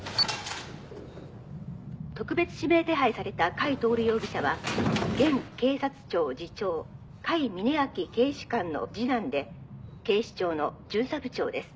「特別指名手配された甲斐享容疑者は現警察庁次長甲斐峯秋警視監の次男で警視庁の巡査部長です」